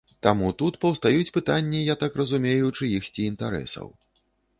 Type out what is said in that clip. Таму тут паўстаюць пытанні, я так разумею, чыіхсьці інтарэсаў.